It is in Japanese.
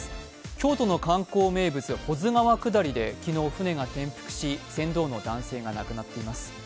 京都の観光名物、保津川下りで昨日舟が転覆し、船頭の男性が亡くなっています。